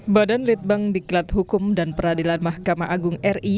badan litbang diklat hukum dan peradilan mahkamah agung ri